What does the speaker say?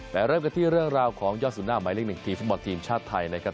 เริ่มกันที่เรื่องราวของยอดสุหน้าหมายเลขหนึ่งทีมฟุตบอลทีมชาติไทยนะครับ